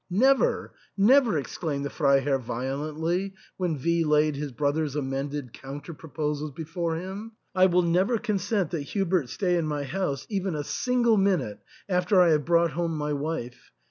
"Never, never !" exclaimed the Freiherr violently, when V laid his brother's amended counter proposals before him. "I will never consent that Hubert stay in my house even a single minute after I have brought home my wife.